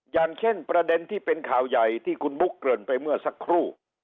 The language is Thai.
อย่างเช่นประเด็นที่เป็นข่าวใหญ่ที่คุณบุ๊คเกริ่นไปเมื่อสักครู่